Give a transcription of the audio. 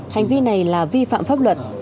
hành vi này là vi phạm pháp luật